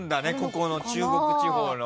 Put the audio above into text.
ここの中国地方の。